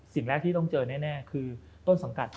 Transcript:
สิ่งแรกที่ต้องเจอแน่คือต้นสังกัด